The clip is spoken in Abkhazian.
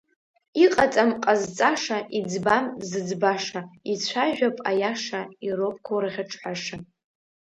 Иҟаҵам ҟазҵаша, иӡбам зыӡбаша, ицәажәап аиаша, ироуп гәырӷьаҽҳәаша…